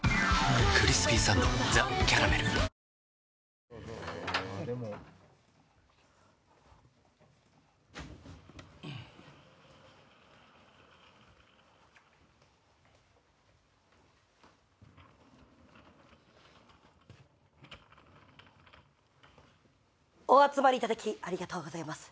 続くお集まりいただきありがとうございます。